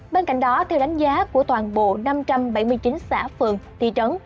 bên cạnh đó theo đánh giá của toàn bộ năm trăm bảy mươi chín xã phường thị trấn